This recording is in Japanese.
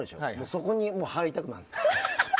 そこに入りたくなる。